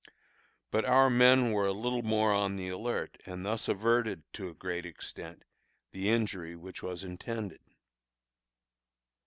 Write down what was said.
But our men were a little more on the alert, and thus averted, to a great extent, the injury which was intended.